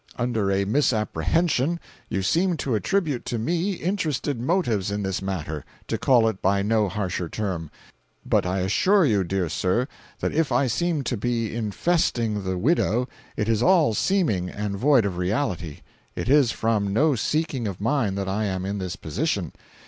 "Under a misapprehension, you seem to attribute to me interested motives in this matter—to call it by no harsher term. But I assure you, dear sir, that if I seem to be 'infesting the widow,' it is all seeming, and void of reality. It is from no seeking of mine that I am in this position.